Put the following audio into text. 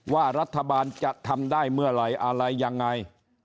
ว่ารัฐบาลจะทำได้เมื่อไหร่อะไรยังไง